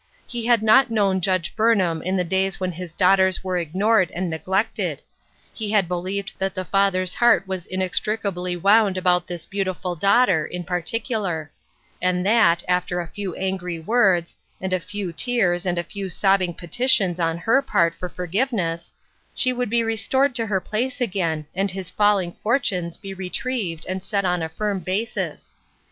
He had not known Judge Burnham in the days when his daughters were ignored and neglected ; he had believed that the father's heart was inextricably wound about this beautiful daughter, in particular; and that, after a few angry words, and a few tears and a few sobbing petitions on her part for for giveness, she would be restored to her place again, aud his falling fortunes be retrieved and set on a firm basis.